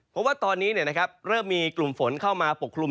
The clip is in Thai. เพราะว่าตอนนี้เริ่มมีกลุ่มฝนเข้ามาปกคลุม